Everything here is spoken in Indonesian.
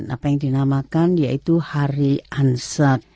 apa yang dinamakan yaitu hari ansat